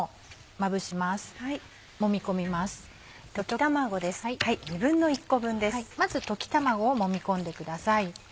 まず溶き卵をもみ込んでください。